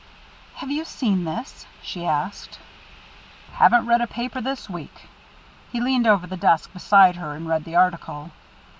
"Have you seen this?" she asked. "Haven't read a paper this week." He leaned over the desk beside her and read the article.